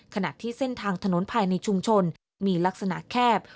ขณะที่เส้นทางถนนภายในชุมชนมีลักษณะแคบ